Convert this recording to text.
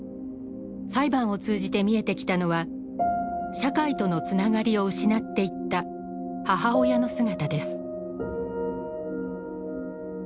裁判を通じて見えてきたのは社会とのつながりを失っていった母親の姿です。